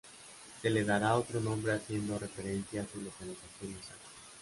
Se le dará otro nombre haciendo referencia a su localización exacta.